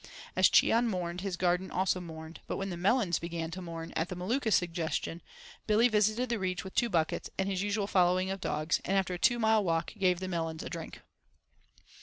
As Cheon mourned, his garden also mourned, but when the melons began to mourn, at the Maluka's suggestion, Billy visited the Reach with two buckets, and his usual following of dogs, and after a two mile walk gave the melons a drink.